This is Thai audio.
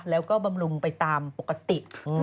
แล้วก็บำรุงไปตามปกติ